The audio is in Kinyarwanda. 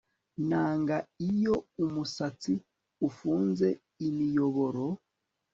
Nanga iyo umusatsi ufunze imiyoboro